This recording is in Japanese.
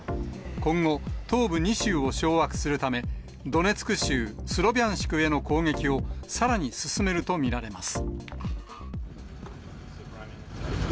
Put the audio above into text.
今後、東部２州を掌握するため、ドネツク州スロビャンシクへの攻撃をさらに進めると見られます。